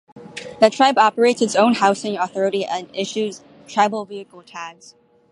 The tribe operates its own housing authority and issues tribal vehicle tags.